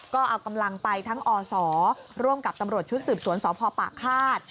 ก็เอากำลังไปทั้งอศร่วมกับตำรวจชุดสืบสวนสพปากฆาต